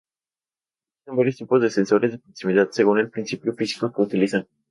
Existen varios tipos de sensores de proximidad según el principio físico que utilizan.